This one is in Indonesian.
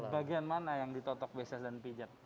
di bagian mana yang ditotok biasanya dan pijat